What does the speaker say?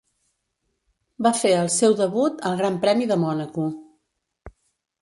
Va fer el seu debut al Gran Premi de Mònaco.